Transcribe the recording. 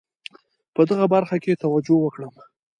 په دغه برخه کې توجه وکړم.